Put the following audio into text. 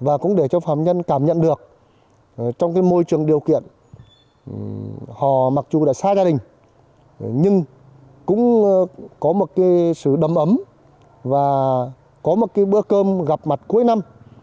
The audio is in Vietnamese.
và cũng để cho phạm nhân cảm nhận được trong môi trường điều kiện họ mặc dù đã xa gia đình nhưng cũng có một sự đầm ấm và có một bữa cơm gặp mặt cuối năm